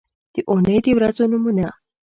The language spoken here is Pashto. د اونۍ د ورځو نومونه